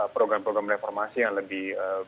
program program reformasi yang lebih